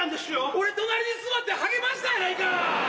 俺隣に座って励ましたやないか。